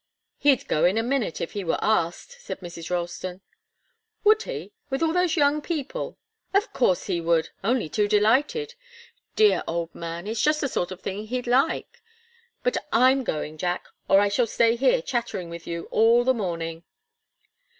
"He'd go in a minute if he were asked," said Mrs. Ralston. "Would he? With all those young people?" "Of course he would only too delighted! Dear old man, it's just the sort of thing he'd like. But I'm going, Jack, or I shall stay here chattering with you all the morning."